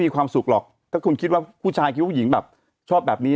หากทุกคนคิดว่าผู้หญิงชอบแบบนี้